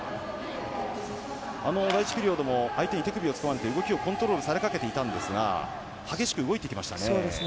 第１ピリオドも相手に手首をつかまれて動きをコントロールされかけていたんですが激しく動いていきましたね。